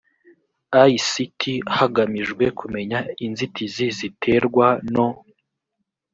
ict hagamijwe kumenya inzitizi ziterwa no